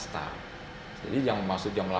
nah online nya jam delapan pagi